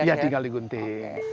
iya tinggal digunting